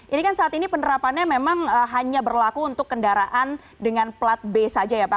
ini kan saat ini penerapannya memang hanya berlaku untuk kendaraan dengan plat b saja ya pak